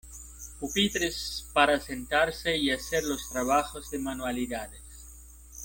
pupitres para sentarse y hacer los trabajos de manualidades.